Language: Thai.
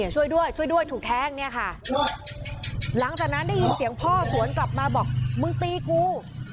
ช่วยด้วยช่วยด้วยถูกแทงเนี่ยค่ะหลังจากนั้นได้ยินเสียงพ่อสวนกลับมาบอกมึงตีกู